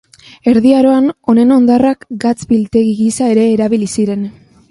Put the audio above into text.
Erdi Aroan honen hondarrak gatz biltegi gisa ere erabili ziren.